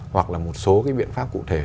hoặc là một số cái biện pháp cụ thể